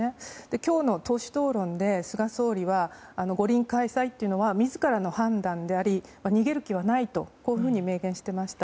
今日の党首討論で菅総理は、五輪開催というのは自らの判断であり逃げる気はないと明言していました。